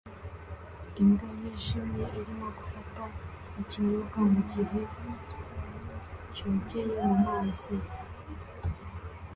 Imbwa yijimye irimo gufata ikinyobwa mugihe cyogeye mumazi